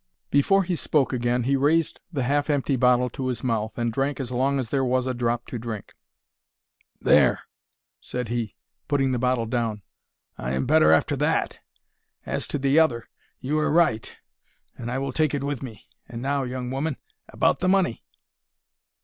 Before he spoke again he raised the half empty bottle to his mouth, and drank as long as there was a drop to drink. "There," said he, putting the bottle down, "I am better after that. As to the other, you are right, and I will take it with me. And now, young woman, about the money?"